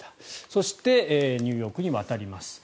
そしてニューヨークに渡ります。